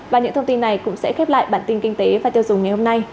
và những thông tin này cũng sẽ khép lại bản tin kinh tế và tiêu dùng ngày hôm nay